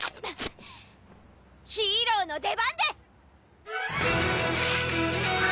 ヒーローの出番です！